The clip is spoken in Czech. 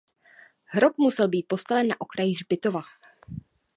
Hrob musel být postaven na okraji hřbitova.